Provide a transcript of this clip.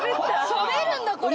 しゃべるんだこれ。